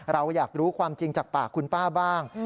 เราอยากรู้ความจริงจากปากคุณป้าบ้าง